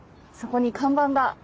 そこに看板が。